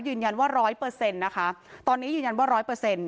ยืนยันว่า๑๐๐นะคะตอนนี้ยืนยันว่า๑๐๐